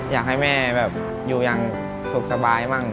อยากให้แม่อยู่ยังสุขสบายบ้าง